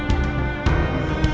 sakit hati aku